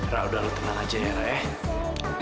ra udah lu tenang aja ya ra ya